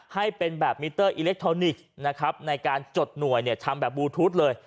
ให้เป็นแบบมิเตอร์อิเล็กทรอนิกส์นะครับในการจดหน่วยทำแบบบลูทูธเลย